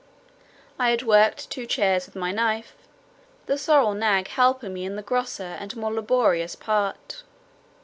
I had worked two chairs with my knife, the sorrel nag helping me in the grosser and more laborious part.